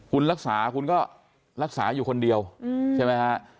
คุณรักษาคุณก็รักษาอยู่คนเดียวใช่ไหมฮะ